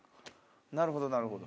なるほどなるほど。